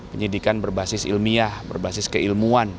penyidikan berbasis ilmiah berbasis keilmuan